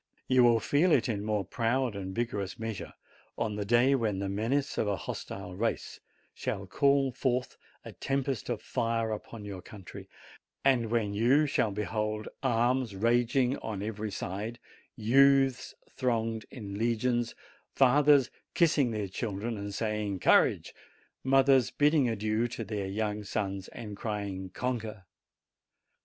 You will feel it in more proud and vigorous measure on the day when the menace of a hostile race shall call forth a tempest of fire upon your country, and when you shall behold arms raging on every side, youths thronging in legions, fathers kissing their children and saying, "Courage !" mothers bidding adieu to their young sons and crying, "Conquer